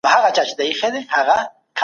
له ډېرو خوږو ځان وساته